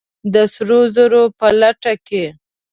د سرو زرو په لټه کې!